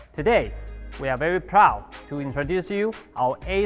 hari ini kami sangat bangga untuk memperkenalkan anda